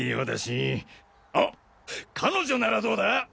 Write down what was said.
彼女ならどうだ？